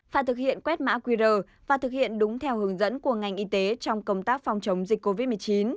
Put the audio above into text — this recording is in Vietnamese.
phải thực hiện quét mã qr và thực hiện đúng theo hướng dẫn của ngành y tế trong công tác phòng chống dịch covid một mươi chín